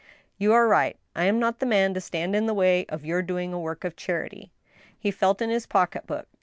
"You are right. I'm not the man to stand in the way of your doing a work of charity." He felt in his pocket book.